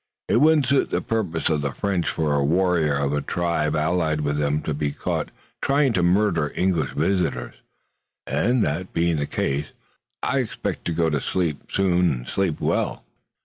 It wouldn't suit the purposes of the French for a warrior of a tribe allied with them to be caught trying to murder English visitors, and, that being the case, I expect to go to sleep soon and sleep well."